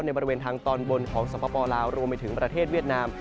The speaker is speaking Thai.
บริเวณทางตอนบนของสปลาวรวมไปถึงประเทศเวียดนาม